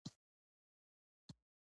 منډه د هوښیار فکر بنسټ دی